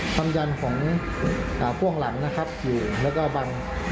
ความยันของพ่วงหลังนะครับอยู่แล้วก็บัง